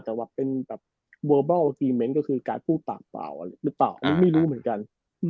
แต่ว่าเป็นแบบคือการผู้ตากเปล่าหรือเปล่าไม่รู้เหมือนกัน